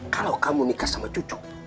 kalau kamu nikah sama cucu